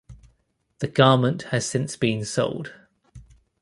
The garment has since been sold.